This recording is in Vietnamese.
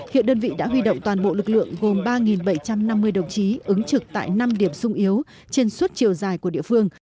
hiện đơn vị đã huy động toàn bộ lực lượng gồm ba bảy trăm năm mươi đồng chí ứng trực tại năm điểm sung yếu trên suốt chiều dài của địa phương